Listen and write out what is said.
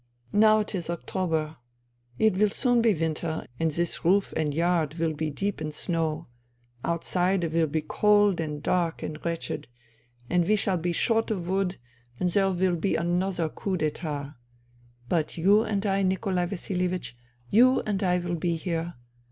" Now it is October. It will soon be winter and this roof and yard will be deep in snow. Outside it will be cold and dark and wretched, and we shall be short of wood, and there will be another coup d'itat But you and I, Nikolai Vasilievich, you and I will be here